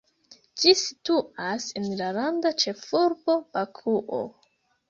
Ĝi situas en la landa ĉefurbo, Bakuo.